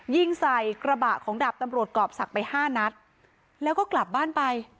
ยิงใส่กระบะของดาบตำรวจกรอบศักดิ์ไปห้านัดแล้วก็กลับบ้านไป